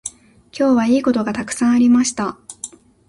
今日はいいことがたくさんありました。